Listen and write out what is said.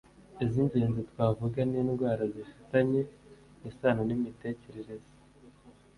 Iz'ingenzi twavuga ni indwara zifitanye isano n'imitekerereze,